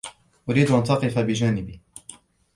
أريد أن تقف بجانبي.